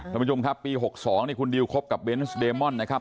ท่านผู้ชมครับปี๖๒นี่คุณดิวคบกับเบนส์เดมอนนะครับ